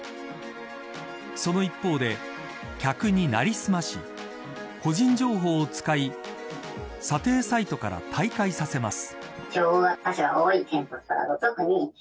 その一方で、客に成りすまし個人情報を使い査定サイトから退会させます。